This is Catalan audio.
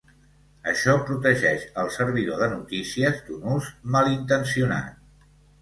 Això protegeix al servidor de notícies d'un ús malintencionat.